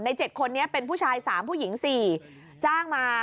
๗คนนี้เป็นผู้ชาย๓ผู้หญิง๔จ้างมา